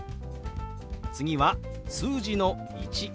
次は数字の「１」。